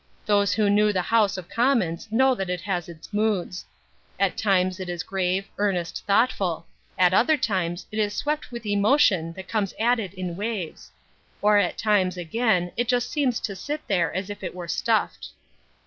Those who know the House of Commons know that it has its moods. At times it is grave, earnest, thoughtful. At other times it is swept with emotion which comes at it in waves. Or at times, again, it just seems to sit there as if it were stuffed.